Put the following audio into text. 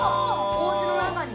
おうちの中に。